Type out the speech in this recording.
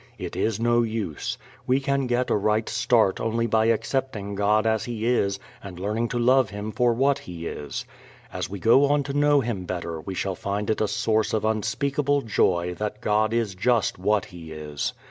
It is no use. We can get a right start only by accepting God as He is and learning to love Him for what He is. As we go on to know Him better we shall find it a source of unspeakable joy that God is just what He is.